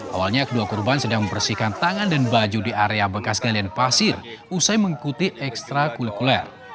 awalnya kedua korban sedang membersihkan tangan dan baju di area bekas galian pasir usai mengikuti ekstra kulikuler